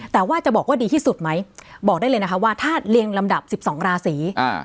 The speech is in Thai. แต่ว่าจะบอกว่าดีที่สุดไหมบอกได้เลยนะคะว่าถ้าเรียงลำดับ๑๒ราศี